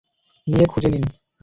নিজে খুঁজে নিন।